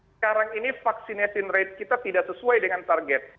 sekarang ini vaccination rate kita tidak sesuai dengan target